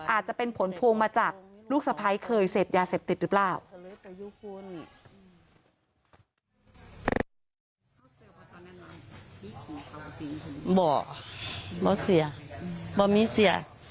อาจจะเป็นผลพวงมาจากลูกสะพ้ายเคยเสพยาเสพติดหรือเปล่า